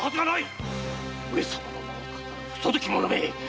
上様の名を騙る不届き者め！